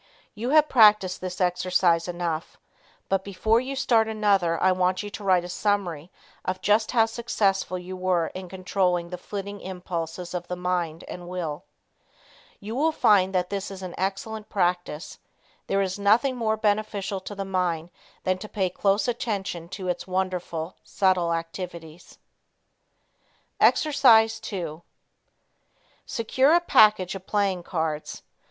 You have practiced this exercise enough, but before you start another I want you to write a summary of just how successful you were in controlling the flitting impulses of the mind and will. You will find this an excellent practice. There is nothing more beneficial to the mind than to pay close attention to its own wonderful, subtle activities. Exercise 2 Secure a package of playing cards.